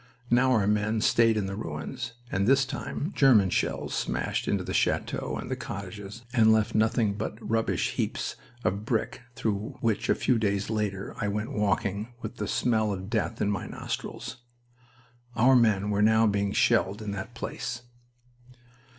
Now our men stayed in the ruins, and this time German shells smashed into the chateau and the cottages and left nothing but rubbish heaps of brick through which a few days later I went walking with the smell of death in my nostrils. Our men were now being shelled in that place.